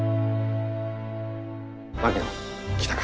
槙野来たか。